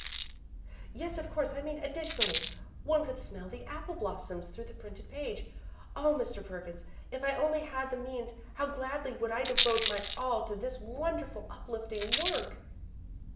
"Yes, of course I mean additionally. One could smell the apple blossoms through the printed page. Oh, Mr. Perkins, if I only had the means, how gladly would I devote my all to this wonderful, uplifting work!"